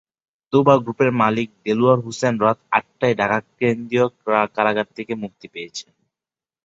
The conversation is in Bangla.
তোবা গ্রুপের মালিক দেলোয়ার হোসেন রাত আটটায় ঢাকা কেন্দ্রীয় কারাগার থেকে মুক্তি পেয়েছেন।